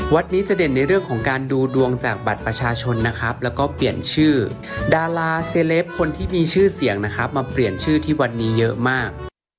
วัดนี้จะเด่นในเรื่องของการดูดวงจากบัตรประชาชนนะครับแล้วก็เปลี่ยนชื่อดาราเซเลปคนที่มีชื่อเสียงนะครับมาเปลี่ยนชื่อที่วัดนี้เยอะมาก